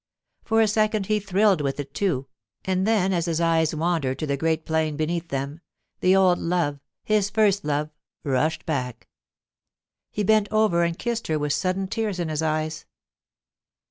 For a second he thrilled with it too; and then, as his eye wandered to the great plain beneath them, the old love—his first love—rushed back. He bent over and kissed her with sudden tears in his eyes.